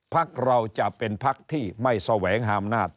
ภักดิ์เราจะเป็นภักดิ์ที่ไม่แสวงหาอำนาจ